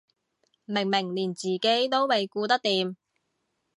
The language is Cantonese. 明明連自己都未顧得掂